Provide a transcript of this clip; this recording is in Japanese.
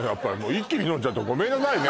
一気に飲んじゃったごめんなさいね